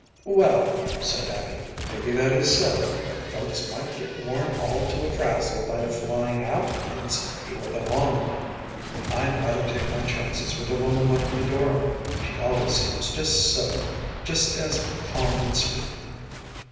‚ÄĚ ‚ÄúWell,‚ÄĚ said Abby, “maybe that is so, but folks might get worn all to a frazzle by the flying out ones before the long run. I’d rather take my chances with a woman like Eudora. She always seems just so, just as calm and sweet.